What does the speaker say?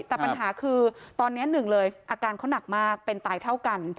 แต่ปัญหาคือตอนนี้หนึ่งเลยอาการเขาหนักมากเป็นตายเท่ากัน